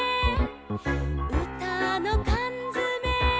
「うたのかんづめ」